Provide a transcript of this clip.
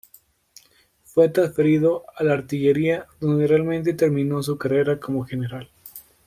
Fue transferido a la artillería donde realmente terminó su carrera como general.